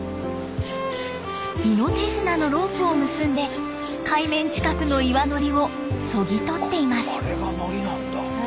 命綱のロープを結んで海面近くの岩のりをそぎ取っています。